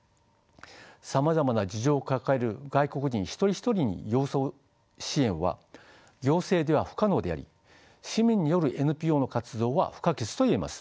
さまざまな事情を抱える外国人一人一人に寄り添う支援は行政では不可能であり市民によるＮＰＯの活動は不可欠と言えます。